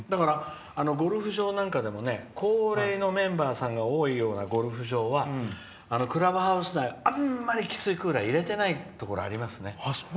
ゴルフ場なんかでも高齢のメンバーさんが多いようなゴルフ場はクラブハウス内、あんまりきついクーラー入れてないところあります。